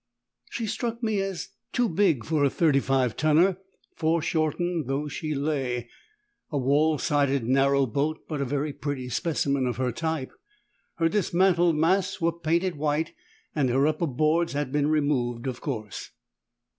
She struck me as too big for a 35 tonner, fore shortened though she lay a wall sided narrow boat, but a very pretty specimen of her type. Her dismantled masts were painted white, and her upper boards had been removed, of course.